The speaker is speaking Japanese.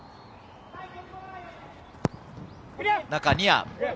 中、ニア。